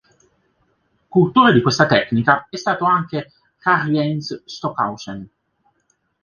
Cultore di questa tecnica è stato anche Karlheinz Stockhausen.